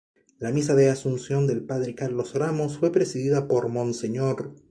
La Misa de asunción del padre Carlos Ramos fue presidida por Mons.